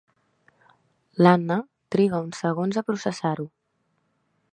L'Anna triga uns segons a processar-ho.